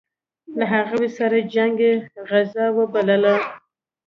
له هغوی سره جنګ یې غزا وبلله.